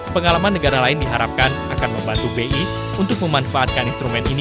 pengalaman negara lain diharapkan akan membantu bi untuk memanfaatkan instrumen ini